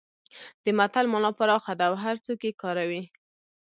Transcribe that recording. د متل مانا پراخه ده او هرڅوک یې کاروي